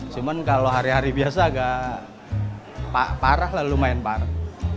cuma kalau hari hari biasa agak parah lalu main parah